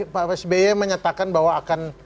pak sby menyatakan bahwa akan